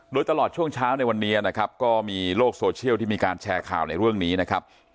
โดยตลอดช่วงเช้าในวันนี้นะครับก็มีโลกโซเชียลที่มีการแชร์ข่าวในเรื่องนี้นะครับ